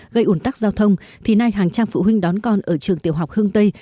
gây ủn tắc giao thông thì nay hàng trăm phụ huynh đón con ở trường tiểu học hương tây